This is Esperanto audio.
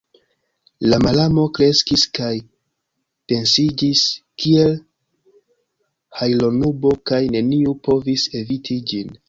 La malamo kreskis kaj densiĝis kiel hajlonubo kaj neniu povis eviti ĝin.